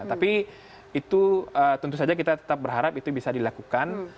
tapi itu tentu saja kita tetap berharap itu bisa dilakukan